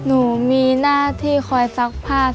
หนูมีหน้าที่คอยซักผ้า